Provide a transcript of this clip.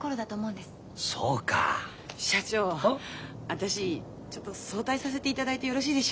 私ちょっと早退させていただいてよろしいでしょうか？